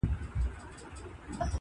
زموږ په رنګ درته راوړي څوک خوراکونه؟ -